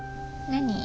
何？